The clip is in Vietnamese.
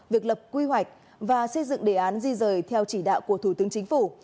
việc lập quy hoạch và xây dựng đề án di rời theo chỉ đạo của thủ tướng chính phủ